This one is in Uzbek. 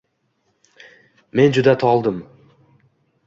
Men juda toldim